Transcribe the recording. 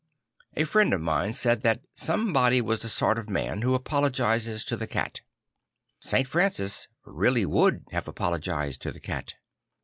A friend of mine 'I he Little Poor Man 10 9 said that somebody was the sort of man who apologises to the cat. St. Francis really would have apologised to the cat.